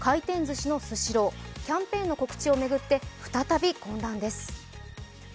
回転ずしのスシロー、キャンペーンの告知を巡って再び混乱です。